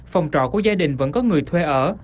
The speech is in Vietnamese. phòng trọ của gia đình vẫn có người thuê ở